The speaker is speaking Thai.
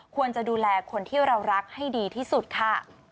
ควรจะดูแลคนที่เรารักให้ดีที่สุดค่ะ